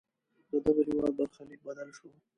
ددغه هېواد برخلیک بدل شو.